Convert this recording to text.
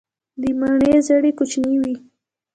د مڼې زړې کوچنۍ وي.